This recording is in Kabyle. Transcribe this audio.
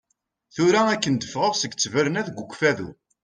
Tura akken d-fɣaɣ seg ttberna deg Ukfadu.